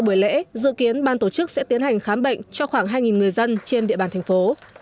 buổi lễ dự kiến ban tổ chức sẽ tiến hành khám bệnh cho khoảng hai người dân trên địa bàn thành phố